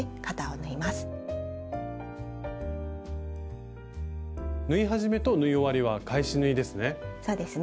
縫い始めと縫い終わりは返し縫いですね？